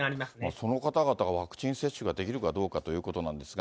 その方々がワクチン接種ができるかどうかということなんですが。